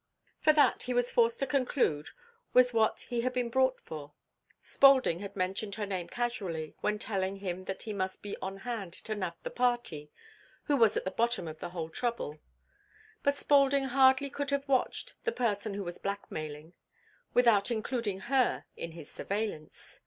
For that, he was forced to conclude, was what he had been brought for. Spaulding had mentioned her name casually, when telling him that he must be on hand to nab the "party" who was at the bottom of the whole trouble; but Spaulding hardly could have watched the person who was blackmailing without including her in his surveillance.